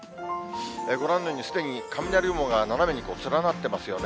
ご覧のように、すでに雷雲が斜めに連なってますよね。